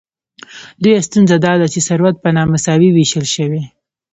لویه ستونزه داده چې ثروت په نامساوي ویشل شوی.